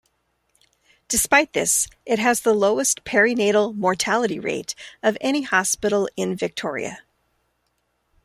Despite this, it has the lowest perinatal mortality rate of any hospital in Victoria.